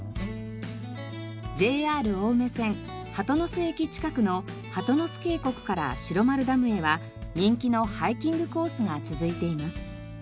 ＪＲ青梅線鳩ノ巣駅近くの鳩ノ巣渓谷から白丸ダムへは人気のハイキングコースが続いています。